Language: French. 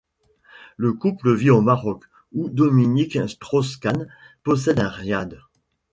Le couple vit au Maroc, où Dominique Strauss-Kahn possède un riad.